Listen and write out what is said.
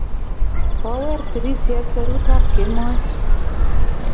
Kower tirisyet serutap Kemoi.